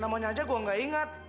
namanya saja saya tidak ingat